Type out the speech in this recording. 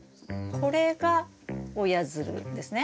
これが親づるですね。